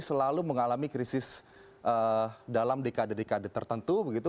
selalu mengalami krisis dalam dekade dekade tertentu begitu